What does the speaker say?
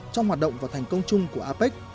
trong hoạt động và thành công chung của apec